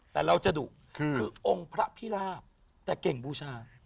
แต่เราจะดุคือองค์พระพิราบแต่เก่งบูชา